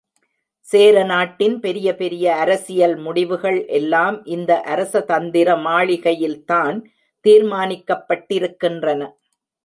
சேர நாட்டின் பெரிய பெரிய அரசியல் முடிவுகள் எல்லாம் இந்த அரசதந்திர மாளிகையில்தான் தீர்மானிக்கப்பட்டிருக்கின்றன.